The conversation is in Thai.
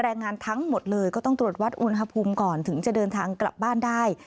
แรงงานทั้งหมดเลยก็ต้องตรวจวัดอุณหภูมิก่อนถึงจะเดินทางกลับบ้านได้